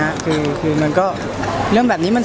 สาเหตุหลักคืออะไรหรอครับผมว่าเราก็ไม่คอมิวนิเคทกัน